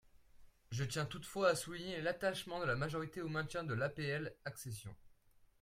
Je tiens toutefois à souligner l’attachement de la majorité au maintien de l’APL accession.